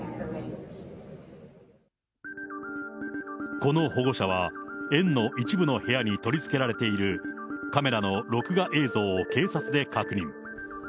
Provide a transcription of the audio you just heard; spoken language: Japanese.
この保護者は、園の一部の部屋に取り付けられている、カメラの録画映像を警察で確認。